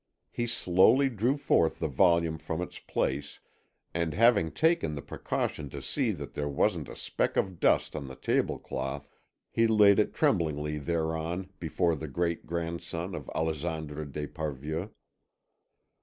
He slowly drew forth the volume from its place, and having taken the precaution to see that there wasn't a speck of dust on the table cloth, he laid it tremblingly thereon before the great grandson of Alexandre d'Esparvieu.